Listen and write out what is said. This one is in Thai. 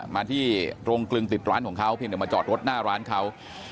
มาที่โรงกลึงติดร้านของเขาเพียงแต่มาจอดรถหน้าร้านเขา